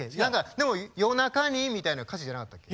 でも「夜中」にみたいな歌詞じゃなかったっけ？